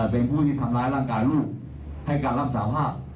เป็นผู้ที่ทำร้ายร่างกายลูกให้การรับสาภาพ